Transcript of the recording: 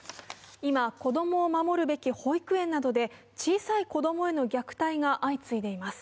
今、子供を守るべき保育園などで小さい子供への虐待が相次いでいます。